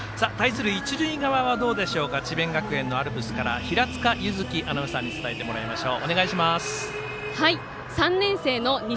対する一塁側のアルプスはどうでしょうか、智弁学園側平塚柚希アナウンサーに伝えてもらいましょう。